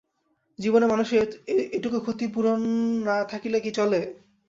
জীবনে মানুষের এটুকু ক্ষতি পূরণ না থাকিলে কি চলে!